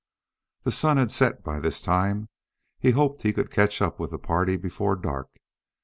The sun had set by this time. He hoped he could catch up with the party before dark.